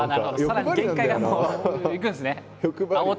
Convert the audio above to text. さらに限界がもういくんですね。